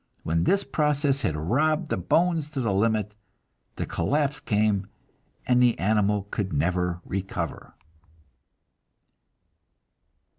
When this process had robbed the bones to the limit, the collapse came, and the animal could never recover."